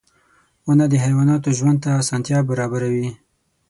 • ونه د حیواناتو ژوند ته اسانتیا برابروي.